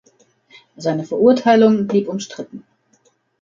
Seine Verurteilung blieb umstritten.